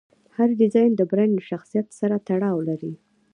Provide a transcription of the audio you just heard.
هر ډیزاین د برانډ له شخصیت سره تړاو لري.